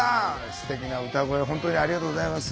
すてきな歌声を本当にありがとうございます。